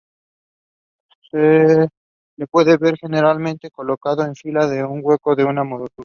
Se lo puede ver generalmente colocado en fila en el hueco de una moldura.